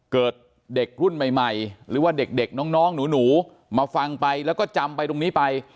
เกิดเด็กรุ่นใหม่หรือว่าเด็กน้องหนูมาฟังไปแล้วก็จำไปตรงนี้ไป